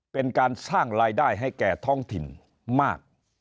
เป็นการสร้างรายได้ให้แก่ท้องถิ่นมาก